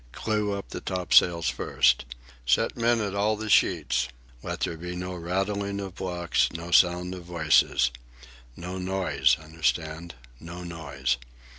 "Clew up the topsails first. Set men at all the sheets. Let there be no rattling of blocks, no sound of voices. No noise, understand, no noise."